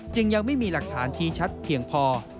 ยังไม่มีหลักฐานชี้ชัดเพียงพอ